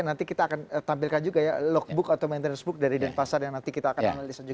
nanti kita akan tampilkan juga ya logbook atau maintenance book dari denpasar yang nanti kita akan analisa juga